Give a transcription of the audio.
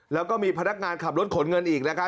แล้วก็มีพนักงานขับรถขนเงินอีกนะครับ